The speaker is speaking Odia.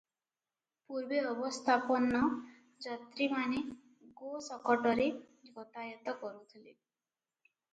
ପୂର୍ବେ ଅବସ୍ଥାପନ୍ନ ଯାତ୍ରୀମାନେ ଗୋ-ଶକଟରେ ଗତାୟତ କରୁଥିଲେ ।